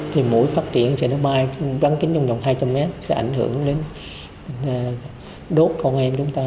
thì mỗi phát triển cho nó bay bắn kính trong vòng hai trăm linh mét sẽ ảnh hưởng đến đốt con em chúng ta